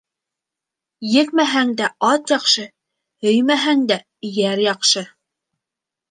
Екмәһәң дә ат яҡшы, һөймәһәң дә йәр яҡшы.